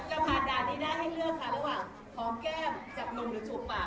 จากป่านด้านที่ด้านให้เลือกหลวงพองเปรี้ยมหรือจบนมหรือชมปาก